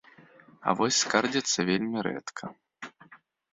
А вось скардзяцца вельмі рэдка.